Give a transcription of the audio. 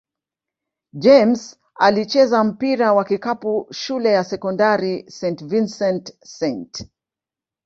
James alicheza mpira wa kikapu shule ya sekondari St. Vincent-St.